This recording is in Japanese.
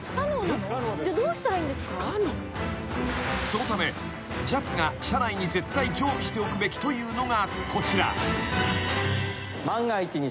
［そのためＪＡＦが車内に絶対常備しておくべきというのがこちら］